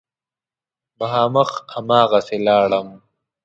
مخامخ هماغسې لاړم.